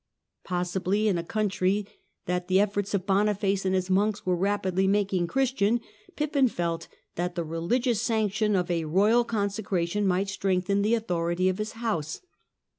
Possibly, in a country that the efforts of Boniface and his monks were rapidly making Christian, Pippin felt that the religious sanction of a royal consecration might strengthen the authority of his house.